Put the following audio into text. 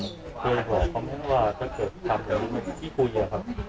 เพื่อนบ้านเขาบอกว่าเธอเกิดทำแบบนี้ที่คุยอะครับ